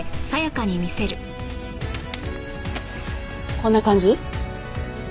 こんな感じ？